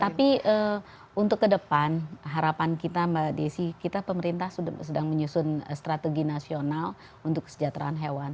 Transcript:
tapi untuk kedepan harapan kita mbak desy kita pemerintah sudah sedang menyusun strategi nasional untuk kesejahteraan hewan